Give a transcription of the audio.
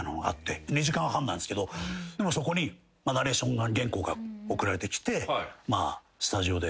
そこにナレーション原稿が送られてきてスタジオで。